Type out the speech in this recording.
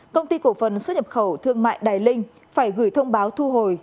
công ty cổ phần xuất nhập khẩu thương mại đài linh phải gửi thông báo thu hồi